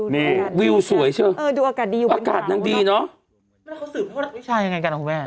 นี่วิวสวยใช่ไหมอากาศนั้นดีเนอะมันเขาสื่อว่ารักวิชายังไงกันอ๋อแม่ง